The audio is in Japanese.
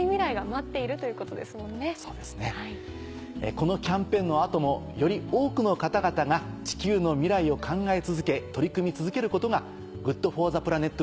このキャンペーンの後もより多くの方々が地球の未来を考え続け取り組み続けることがＧｏｏｄＦｏｒｔｈｅＰｌａｎｅｔ